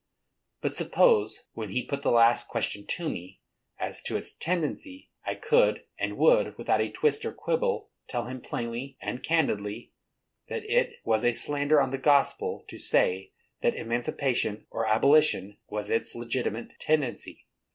But suppose, when he put the last question to me, as to its tendency, I could and would, without a twist or quibble, tell him, plainly and candidly, that it was a slander on the gospel to say that emancipation or abolition was its legitimate tendency.